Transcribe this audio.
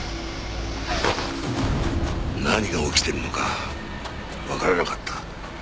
何が起きてるのかわからなかった。